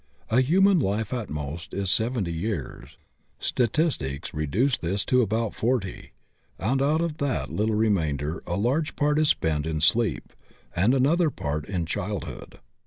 A human life at most is seventy years; statistics reduce this to about forty; and out of that little remainder a large part is spent in sleep and another part in childhood.